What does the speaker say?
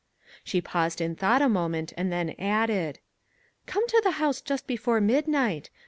She paused in thought a moment and then added. "Come to the house just before midnight.